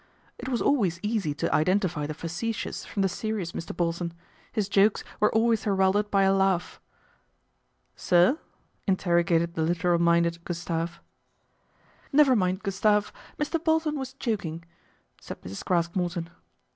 It was always easy to iden tify the facetious from the serious Mr. Bolton ; his jokes were always heralded by a laugh. " Sir ?" interrogated the literal minded Gus tave. " Never mind, Gustave. Mr. Bolton was joking," said Mrs. Craske Morton.